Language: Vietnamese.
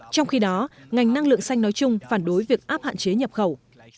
trong khi đó ngành năng lượng xanh nói chung phản đối việc áp hạn chế nhập khẩu